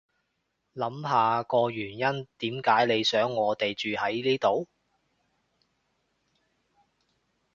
諗下個原因點解你想我哋住喺呢度